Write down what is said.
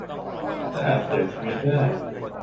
และอาจเสียชีวิตได้